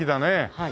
はい。